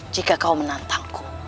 jika kau menantangku